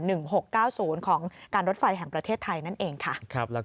นอกจากนั้นคุณผู้ชมเรื่องของสิ่งอำนวยความสะดวก